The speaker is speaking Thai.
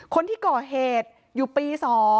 คนที่ก่อเหตุอยู่ปี๒